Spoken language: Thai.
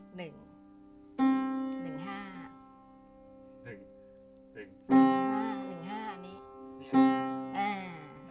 หนึ่งหนึ่งห้าหนึ่งห้านี้อ่า